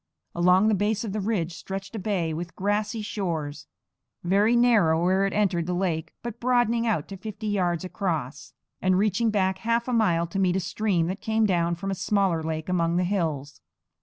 Along the base of the ridge stretched a bay with grassy shores, very narrow where it entered the lake, but broadening out to fifty yards across, and reaching back half a mile to meet a stream that came down from a smaller lake among the hills.